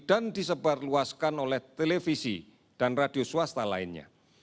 dan disebarluaskan oleh televisi dan radio swasta lainnya